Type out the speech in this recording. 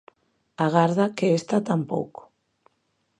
Agarda que esta tampouco.